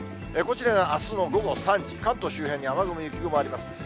こちらがあすの午後３時、関東周辺に雨雲、雪雲あります。